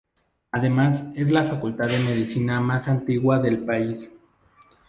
Además es la facultad de medicina más antigua del país.